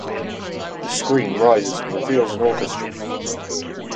The screen rises and reveals an orchestra.